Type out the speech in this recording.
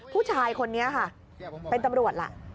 ผู้ชายคนนี้ค่ะเป็นตำรวจล่ะ